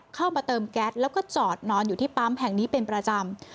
เข้ามาเติมแก๊สแล้วก็จอดนอนอยู่ที่ปั๊มแห่งนี้เป็นประจำ